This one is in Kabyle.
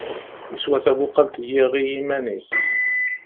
Yeswa tabuqalt n yiɣi iman-is.